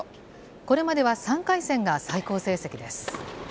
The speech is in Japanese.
これまでは３回戦が最高成績です。